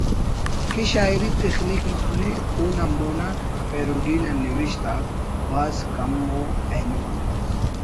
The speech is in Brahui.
کہ شاعری تخلیق مسنے اونا مون آ پیروڈی نا نوشت آک بھاز کم ءُ اینو